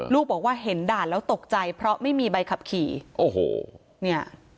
ลูกบอกว่าเห็นด่านแล้วตกใจเพราะไม่มีใบขับขี่โอ้โหเนี่ย